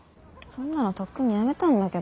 そんなのとっくに辞めたんだけど。